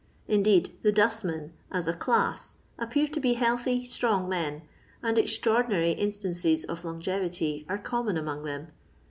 Indeed, the dustmen, as a class, appear to be healthy, strong men, and extraordinary instances of longevity are common among them.